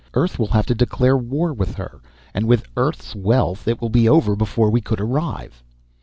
Earth will have to declare war with her. And with Earth's wealth, it will be over before we could arrive."